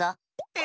え？